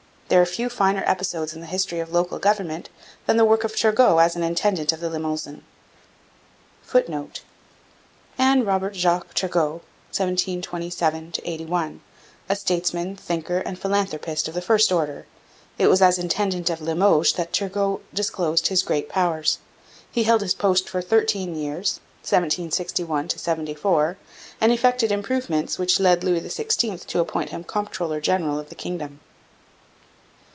There are few finer episodes in the history of local government than the work of Turgot as intendant of the Limousin. [Footnote: Anne Robert Jacques Turgot (1727 81), a statesman, thinker, and philanthropist of the first order. It was as intendant of Limoges that Turgot disclosed his great powers. He held his post for thirteen years (1761 74), and effected improvements which led Louis XVI to appoint him comptroller general of the Kingdom.